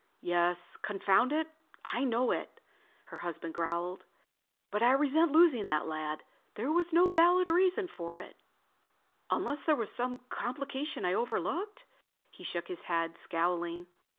"Yes, confound it, I know it," her husband growled. "But I resent losing that lad. There was no valid reason for it—unless there was some complication I overlooked." He shook his head, scowling.